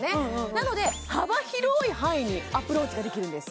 なので幅広い範囲にアプローチができるんです